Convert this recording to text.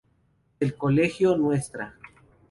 El Colegio Ntra.